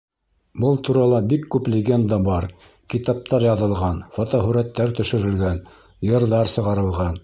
Был турала бик күп легенда бар, китаптар яҙылған, һүрәттәр төшөрөлгән, йырҙар сығарылған.